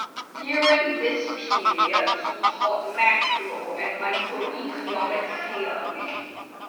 During this period he taught macro- and micro-economic theory.